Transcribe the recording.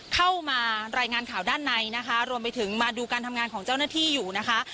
เข้ามารายงานข่าวด้านในนะคะรวมไปถึงมาดูการทำงานของเจ้าหน้าที่อยู่นะคะ